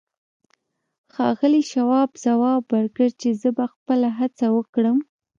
ښاغلي شواب ځواب ورکړ چې زه به خپله هڅه وکړم.